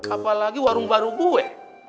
apalagi warung baru gue